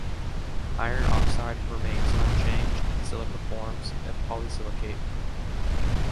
Iron oxide remains unchanged and silica forms a polysilicate.